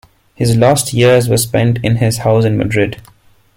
His last years were spent in his house in Madrid.